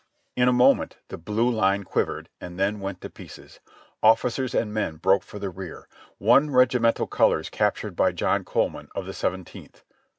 In a moment the blue line quivered and then went to pieces. Officers and men broke for the rear, one regimental colors cap tured by Jim Coleman, of the Seventeenth.